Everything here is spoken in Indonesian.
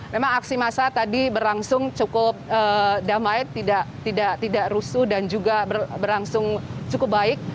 memang aksi masa tadi berangsung cukup damai tidak rusuh dan juga berangsung cukup baik